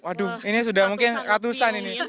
waduh ini sudah mungkin ratusan ini